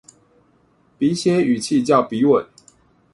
筆寫語氣叫筆吻